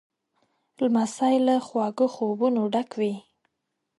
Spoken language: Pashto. لمسی له خواږه خوبونو ډک وي.